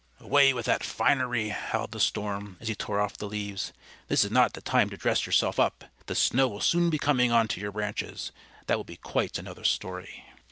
"Away with that finery!" howled the Storm as he tore off the leaves. "This is not the time to dress yourself up. The snow will soon be coming on to your branches; that will be quite another story."